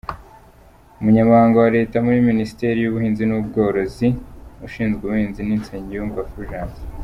Umunyamabanga wa Leta muri minisiteri y’ubuhinzi n’ubworozi, ushinzwe ubuhinzi ni Nsengiyumva Fulgence.